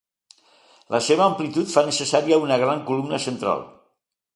La seva amplitud fa necessària una gran columna central.